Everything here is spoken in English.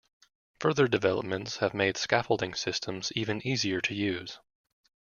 Further developments have made scaffolding systems even easier to use.